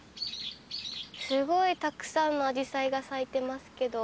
すごいたくさんのアジサイが咲いてますけど。